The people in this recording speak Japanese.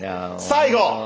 最後！